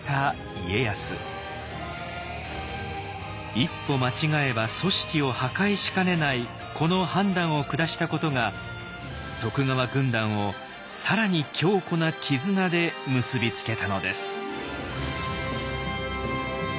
一歩間違えば組織を破壊しかねないこの判断を下したことが徳川軍団を更に強固な絆で結び付けたのです。